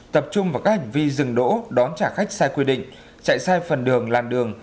tập trung vào các hành vi dừng đỗ đón trả khách sai quy định chạy sai phần đường làn đường